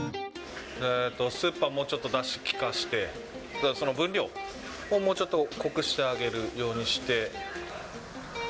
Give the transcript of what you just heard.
スープはもうちょっとだし利かして、分量をもうちょっと濃くしてあげるようにして。